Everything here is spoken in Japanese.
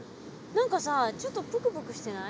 何かさちょっとプクプクしてない？